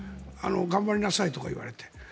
頑張りなさいとか言われて。